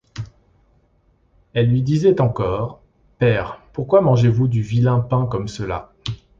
Elle lui disait encore: — Père, pourquoi mangez-vous du vilain pain comme cela?